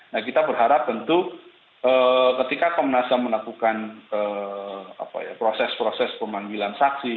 nah kita berharap tentu ketika komnas ham melakukan proses proses pemanggilan saksi